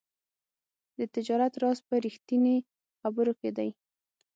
د تجارت راز په رښتیني خبرو کې دی.